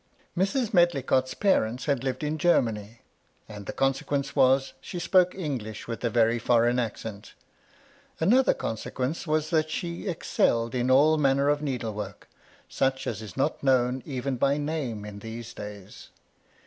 Mrs. Medlicott's parents had lived in Germany, and the consequence was, she spoke English with a very foreign accent Another consequence was, that she excelled in all manner of needlework, such as is not known even by name in these days.